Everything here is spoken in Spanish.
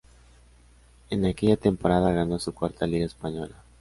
En aquella temporada ganó su cuarta Liga española.